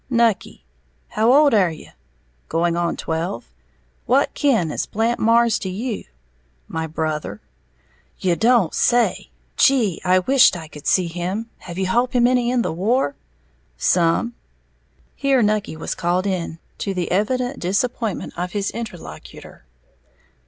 "Nucky." "How old air you?" "Going on twelve." "What kin is Blant Marrs to you?" "My brother." "You don't say so! Gee, I wisht I could see him! Have you holp any in the war?" "Some." Here Nucky was called in, to the evident disappointment of his interlocutor.